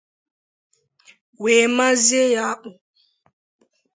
wee mazie ya ákpụ